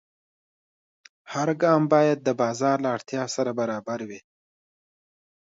هر ګام باید د بازار له اړتیا سره برابر وي.